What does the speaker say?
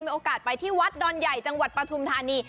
มีโอกาสไปที่วัดดอนใหญ่จังหวัดปฐุมธานี